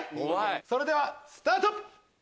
それではスタート！